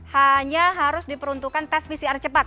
hanya harus diperuntukkan tes pcr cepat